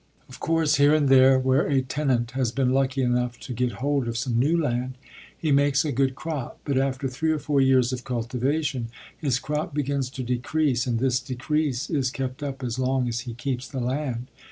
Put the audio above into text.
Of course, here and there where a tenant has been lucky enough to get hold of some new land, he makes a good crop, but after three or four years of cultivation, his crop begins to decrease and this decrease is kept up as long as he keeps the land.